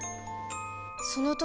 その時